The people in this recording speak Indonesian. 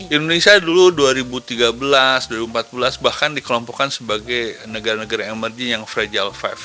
indonesia dulu dua ribu tiga belas dua ribu empat belas bahkan dikelompokkan sebagai negara negara emerging yang fragile lima